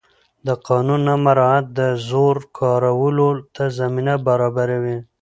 د قانون نه مراعت د زور کارولو ته زمینه برابروي